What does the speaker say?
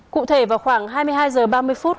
cụ thể vào khoảng hai mươi hai h ba mươi phút